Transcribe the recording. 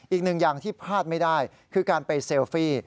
อีกหนึ่งอย่างที่พลาดไม่ได้คือการไปเซลฟี่